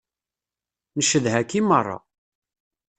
Ncedha-k i meṛṛa.